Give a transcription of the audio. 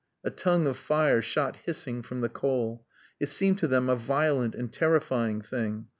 A tongue of fire shot hissing from the coal. It seemed to them a violent and terrifying thing.